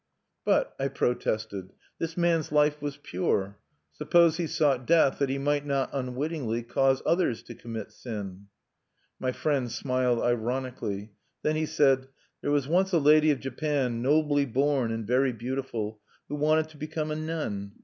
"But," I protested, "this man's life was pure.... Suppose he sought death that he might not, unwittingly, cause others to commit sin?" My friend smiled ironically. Then he said: "There was once a lady of Japan, nobly torn and very beautiful, who wanted to become a nun.